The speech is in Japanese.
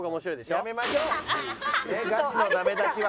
やめましょうガチのダメ出しは。